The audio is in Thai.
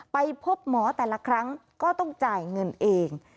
ไปพบหมอแต่ละครั้งก็ต้องจ่ายเงินเอง